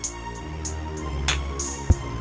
ntar kita ke rumah sakit